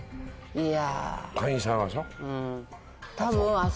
いや。